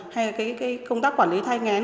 hay là cái công tác quản lý thai ngén